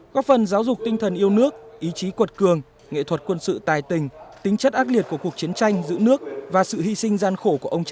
góp phần giáo dục tinh thần yêu nước ý chí quật cường nghệ thuật quân sự tài tình